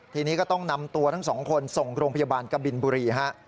ทีนี้ก็ต้องนำตัวทั้งสองคนส่งโรงพยาบาลกบินบุรีฮะ